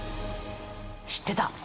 知ってた。